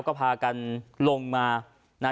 ก็พากันลงมา